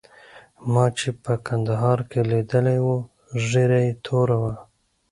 ما چې په کندهار کې لیدلی وو ږیره یې توره وه.